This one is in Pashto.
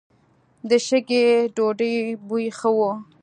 د شګې ډوډۍ بوی ښه و.